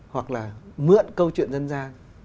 hoặc là mượn câu chuyện dân gian